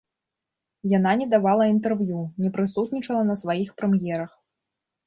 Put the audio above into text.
Яна не давала інтэрв'ю, не прысутнічала на сваіх прэм'ерах.